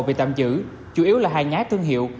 bị tạm giữ chủ yếu là hàng nhái thương hiệu